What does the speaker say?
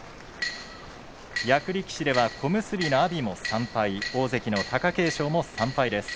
役力士では小結の阿炎も３敗大関の貴景勝も３敗です。